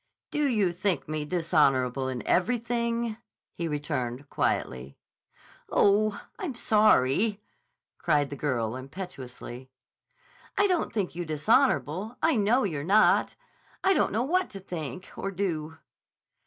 "Do you think me dishonorable in everything?" he returned quietly. "Oh, I'm sorry!" cried the girl impetuously. "I don't think you dishonorable. I know you're not. I don't know what to think or do."